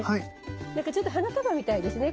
なんかちょっと花束みたいですね